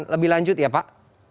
lebih lanjut ya pak